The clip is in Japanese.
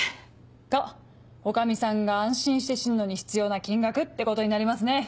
⁉が女将さんが安心して死ぬのに必要な金額ってことになりますね。